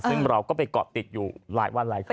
ซึ่งเราก็ไปเกาะติดอยู่หลายวันหลายที